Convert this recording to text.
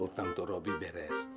utang untuk robby beres